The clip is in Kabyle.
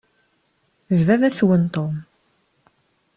D baba-twen Tom.